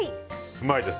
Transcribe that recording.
うまいです。